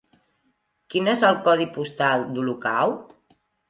Quin és el codi postal d'Olocau?